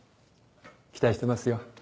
期待してますよ。